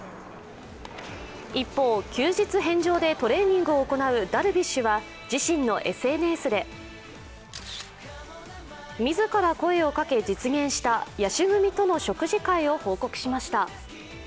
一方、休日返上でトレーニングを行うダルビッシュは自身のＳＮＳで自ら声をかけ実現した野手組との食事会を報告しました。